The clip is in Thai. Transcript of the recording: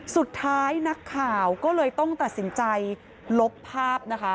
สุดท้ายนักข่าวก็เลยต้องตัดสินใจลบภาพนะคะ